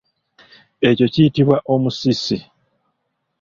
Ekyo kiyitibwa omusisi.